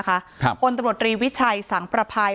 คนตำรวจรีวิชัยสังประภัย